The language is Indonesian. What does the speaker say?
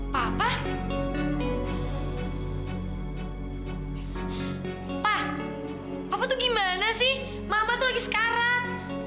sampai untuk nanti saya kehidup